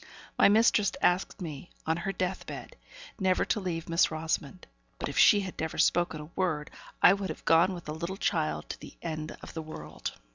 My mistress had asked me, on her death bed, never to leave Miss Rosamond; but if she had never spoken a word, I would have gone with the little child to the end of the world.